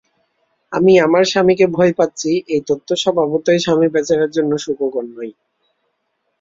আমি আমার স্বামীকে ভয় পাচ্ছি, এই তথ্য স্বভাবতই স্বামী বেচারার জন্যে সুখকর নয়।